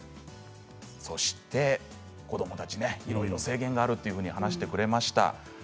そして、子どもたちいろいろ制限があると話してくれました。